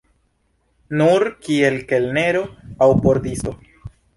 Nur kiel kelnero aŭ pordisto.